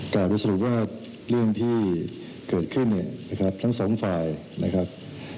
การวิสูจน์ว่าเรื่องที่เกิดขึ้นทั้งสองฝ่ายนะครับ